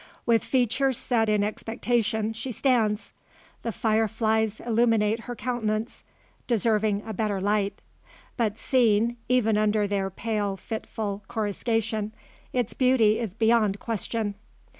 With features set in expectation, she stands. The fire flies illuminate her countenance deserving a better light. But seen, even under their pale fitful coruscation, its beauty is beyond question.